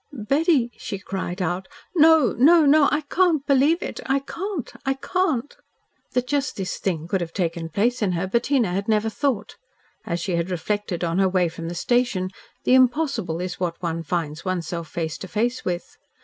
"Betty," she cried out. "No! No! No! I can't believe it! I can't! I can't!" That just this thing could have taken place in her, Bettina had never thought. As she had reflected on her way from the station, the impossible is what one finds one's self face to face with.